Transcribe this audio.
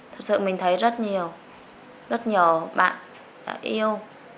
thật sự mình thấy rất nhiều rất nhiều bạn đã yêu